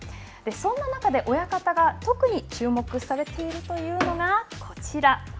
そんな中で親方が特に注目されているというのが、こちら。